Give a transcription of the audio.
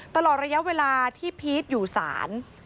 ตลอดระยะเวลาที่พีชอยู่ศาล